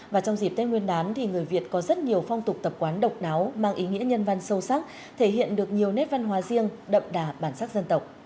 và trong dịp tết nguyên đán thì người việt có rất nhiều phong tục tập quán độc đáo mang ý nghĩa nhân văn sâu sắc thể hiện được nhiều nét văn hóa riêng đậm đà bản sắc dân tộc